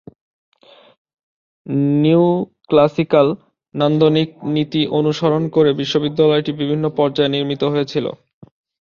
Neoclassical নান্দনিক নীতি অনুসরণ করে বিশ্ববিদ্যালয়টি বিভিন্ন পর্যায়ে নির্মিত হয়েছিল।